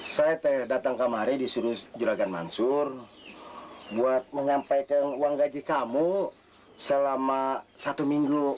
hai saya terdatang kemari disuruh juragan mansur buat mengampekan uang gaji kamu selama satu minggu